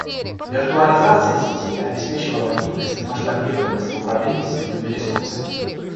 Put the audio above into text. Виртуализация сети обеспечивала гибкость и масштабируемость в управлении сетевыми ресурсами.